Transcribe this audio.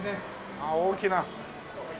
ああ大きな。